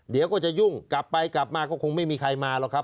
เดี๋ยวก็จะยุ่งกลับไปกลับมาก็คงไม่มีใครมาหรอกครับ